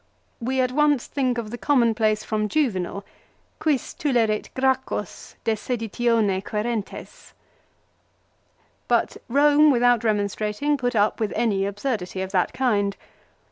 We at once think of the commonplace from Juvenal ;" Quis tulerit Graccchos de seditione querentes." But Rome without remonstrating, put up with any absurdity of that kind.